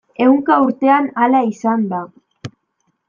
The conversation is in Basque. Ehunka urtean hala izan da.